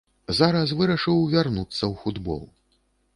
Зараз вырашыў вярнуцца ў футбол.